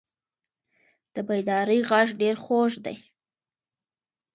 د بیدارۍ غږ ډېر خوږ دی.